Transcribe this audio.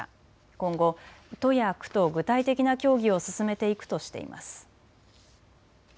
今後、都や区と具体的な協議を進めていくとしています。